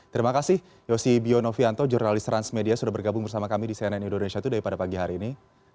terima kasih yosi bionovianto jurnalis transmedia sudah bergabung bersama kami di cnn indonesia today pada pagi hari ini